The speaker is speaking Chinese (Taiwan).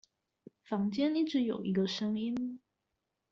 坊間一直有一個聲音